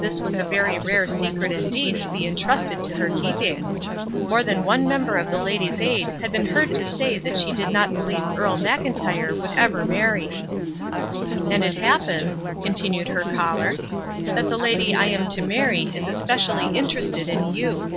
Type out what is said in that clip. This was a very rare secret indeed to be intrusted to her keeping. More than one member of the Ladies' Aid had been heard to say that she did not believe Earle Mclntyre would ever marry. "And it happens," continued her caller, "that the lady I am to marry is especially interested in you."